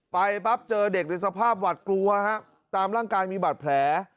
ปั๊บเจอเด็กในสภาพหวัดกลัวฮะตามร่างกายมีบาดแผล